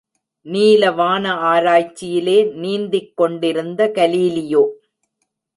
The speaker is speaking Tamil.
நீலவான ஆராய்ச்சியிலே நீந்திக் கொண்டிருந்த கலீலியோ.